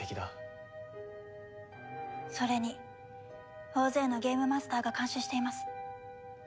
それに大勢のゲームマスターが監視しています。